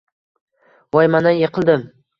Voy, mana yiqildim